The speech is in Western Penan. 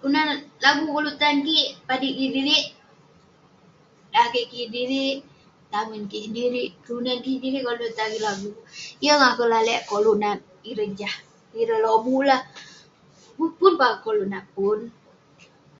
Kelunan lagu koluk tan kik padik kik sedirik, lakeik kik sedirik, tamen kik sedirik, kelunan kik sedirik koluk tan kik lagu. Yeng akouk lalek koluk nat ireh jah, ireh lobuk lah. Pun- pun peh akouk koluk nat, pun.